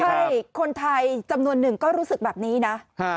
ใช่คนไทยจำนวนหนึ่งก็รู้สึกแบบนี้นะ